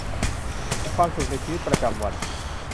กับความสุขในชีวิตประจำวัน